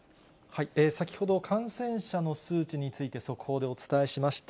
先ほど、感染者の数値について速報でお伝えしました。